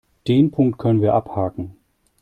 Den Punkt können wir abhaken.